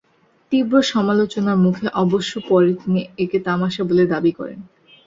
তীব্র সমালোচনার মুখে অবশ্য পরে তিনি একে তামাশা বলে দাবি করেন।